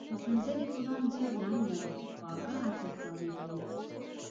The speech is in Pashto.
د سنځلې ګلان زېړ رنګ لري او خواږه عطر تولیدوي.